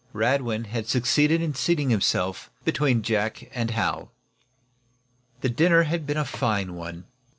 Radwin had succeeded in seating himself between Jack and Hal. The dinner had been a fine one.